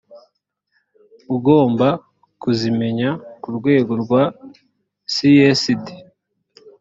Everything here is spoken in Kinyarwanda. ugomba kuzimenya ku rwego rwa csd